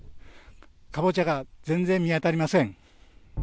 カボチャが全然見当たりません。